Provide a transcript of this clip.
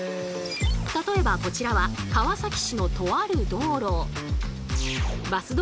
例えばこちらは川崎市のとある道路。